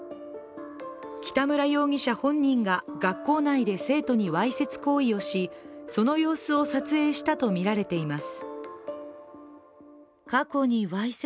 北村容疑者本人が学校内で生徒にわいせつ行為をしその様子を撮影したとみられています。